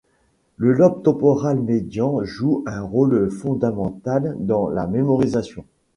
Le lobe temporal médian joue un rôle fondamental dans la mémorisation.